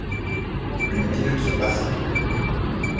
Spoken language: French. Une minute se passa.